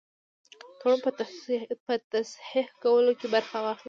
تړون په تصحیح کولو کې برخه واخلي.